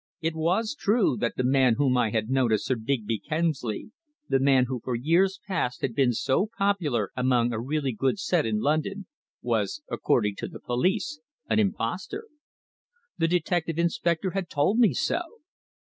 It was true that the man whom I had known as Sir Digby Kemsley the man who for years past had been so popular among a really good set in London was according to the police an impostor. The detective inspector had told me so.